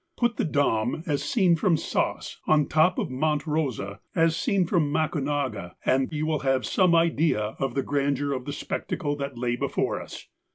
Put the Dom as seen from Saas on the top of Monte Rosa as seen from Macugnaga, and you will have some idea of the grandeur of the spectacle that lay before us.